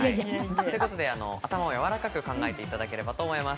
頭をやわらかく考えていただければと思います。